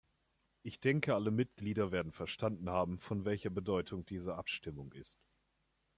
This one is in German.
Ich denke, alle Mitglieder werden verstanden haben, von welcher Bedeutung diese Abstimmung ist.